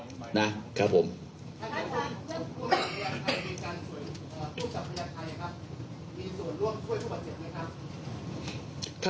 มีการส่วยเอ่อผู้กับประยาทไทยนะครับมีส่วนร่วมช่วยผู้ประเศษไหมครับ